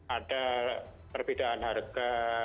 ada perbedaan harga